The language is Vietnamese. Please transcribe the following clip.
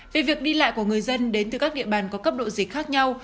về việc đi lại của người dân đến từ các địa bàn có cấp độ dịch khác nhau